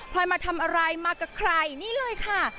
พอยมาทำอะไรมากับใครนี่เลยค่ะ